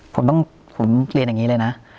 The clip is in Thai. ผมต้องผมเรียนอย่างนี้เลยนะ